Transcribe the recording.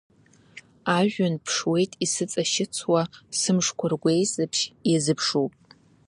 Ажәҩан ԥшуеит исыҵашьыцуа, сымшқәа ргәеисыбжь иазыԥшуп.